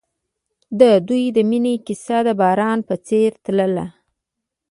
د دوی د مینې کیسه د باران په څېر تلله.